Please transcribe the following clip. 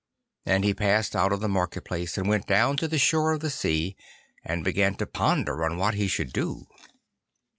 And he passed out of the market place, and went down to the shore of the sea, and began to ponder on what he should do.